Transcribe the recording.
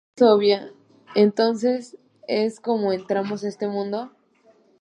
La pregunta obvia entonces es, ¿cómo entramos en ese mundo?